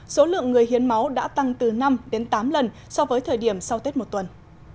số lượng người hiến máu đã tăng từ năm đến tám lần so với thời điểm sau tết một tuần